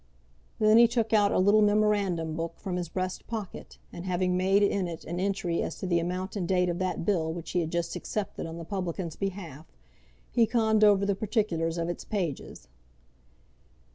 Then he took out a little memorandum book from his breast pocket, and having made in it an entry as to the amount and date of that bill which he had just accepted on the publican's behalf, he conned over the particulars of its pages.